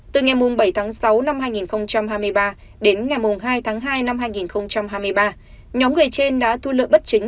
từ ngày bảy tháng sáu năm hai nghìn hai mươi ba đến ngày hai tháng hai năm hai nghìn hai mươi ba nhóm người trên đã thu lợi bất chính